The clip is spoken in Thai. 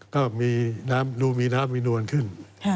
ก็ดูมีน้ำมีนวลขึ้น